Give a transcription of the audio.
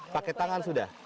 pakai tangan sudah